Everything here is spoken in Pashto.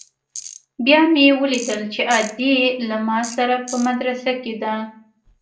بيا مې وليدل چې ادې له ما سره په مدرسه کښې ده.